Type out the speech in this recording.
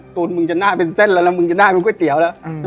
ตูนมึงจะหน้าเป็นเส้นแล้วแล้วมึงจะน่าเป็นก๋วยเตี๋ยวแล้ว